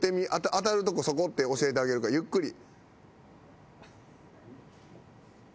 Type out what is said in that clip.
当たるとこそこって教えてあげるからゆっくり。